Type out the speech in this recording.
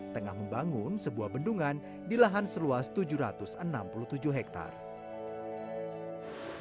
tengah membangun sebuah bendungan di lahan seluas tujuh ratus enam puluh tujuh hektare